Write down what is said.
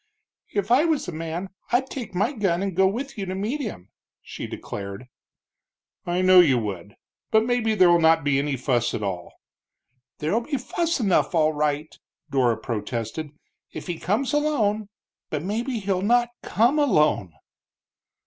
"If I was a man I'd take my gun and go with you to meet him," she declared. "I know you would. But maybe there'll not be any fuss at all." "There'll be fuss enough, all right!" Dora protested. "If he comes alone but maybe he'll not come alone."